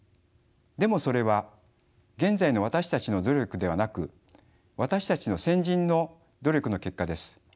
でもそれは現在の私たちの努力ではなく私たちの先人の努力の結果です。